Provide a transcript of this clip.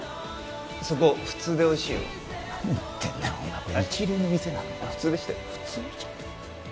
そこ普通でおいしいよ何言ってんだよお前一流の店なんだって普通でしたよ普通じゃないんだよ